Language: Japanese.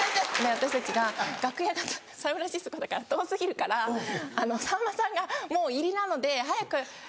私たちが楽屋がサンフランシスコだから遠過ぎるからさんまさんがもう入りなので早く早く。